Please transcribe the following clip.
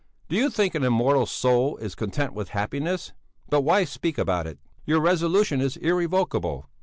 "Do you think an immortal soul is content with happiness? But why speak about it? Your resolution is irrevocable.